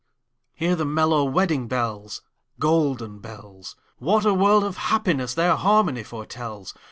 Hear the mellow wedding bells, Golden bells! What a world of happiness their harmony foretells!